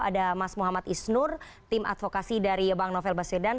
ada mas muhammad isnur tim advokasi dari bank novel baswedan